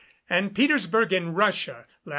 and Petersburgh in Russia lat.